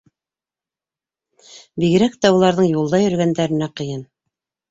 Бигерәк тә уларҙың юлда йөрөгәндәренә ҡыйын.